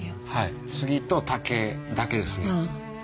杉と竹だけですね。